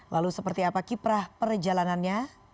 lalu seperti apa kiprah perjalanannya